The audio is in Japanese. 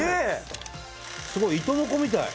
すごい糸のこみたい。